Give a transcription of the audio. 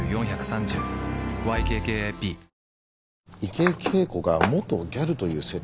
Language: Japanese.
池井景子が元ギャルという設定